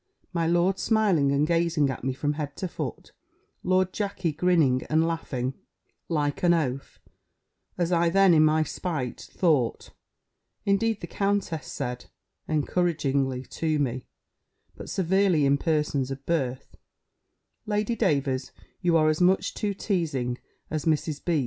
My lord, smiling, and gazing at me from head to foot; Lord Jackey grinning and laughing, like an oaf, as I then, in my spite, thought. Indeed the countess said, encouragingly to me, but severely in persons of birth, "Lady Davers, you are as much too teazing, as Mrs. B.